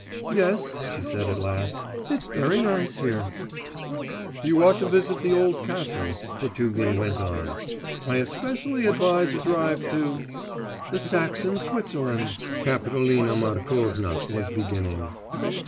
'Yes,' she said at last, 'it's very nice here.' 'You ought to visit the old castle,' Potugin went on; 'I especially advise a drive to ' 'The Saxon Switzerland ' Kapitolina Markovna was beginning.